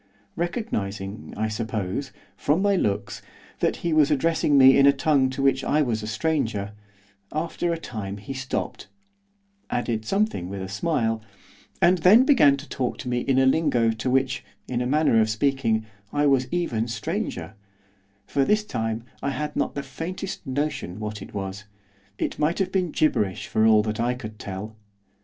Recognising, I suppose, from my looks, that he was addressing me in a tongue to which I was a stranger, after a time he stopped, added something with a smile, and then began to talk to me in a lingo to which, in a manner of speaking, I was even stranger, for this time I had not the faintest notion what it was, it might have been gibberish for all that I could tell.